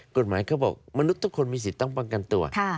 กฎหมายเขาบอกมนุษย์ทุกคนมีสิทธิ์ต้องป้องกันตัว